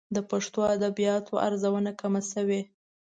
د پښتو ادبياتو ارزونه کمه شوې.